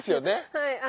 はい。